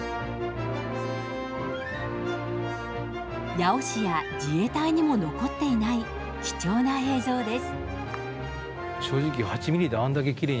八尾市や自衛隊にも残っていない貴重な映像です。